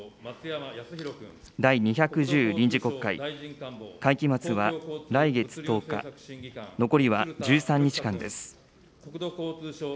第２１０臨時国会、会期末は来月１０日、残りは１３日間です。